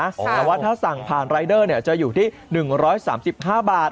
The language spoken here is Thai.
แต่ว่าถ้าสั่งผ่านรายเดอร์จะอยู่ที่๑๓๕บาท